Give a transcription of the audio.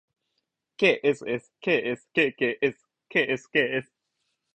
ｋｓｓｋｓｋｋｓｋｓｋｓ